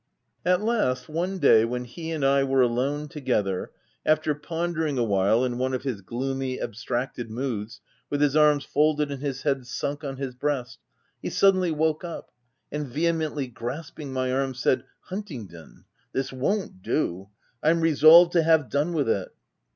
"At last, one day when he and I were alone together, after pondering awhile in one of his gloomy, abstracted moods, with his arms folded and his head sunk on his breast, — he suddenly woke up, and vehemently grasping my arm, said, —" c Huntingdon, this won't do ! I'm resolved to have done with it.'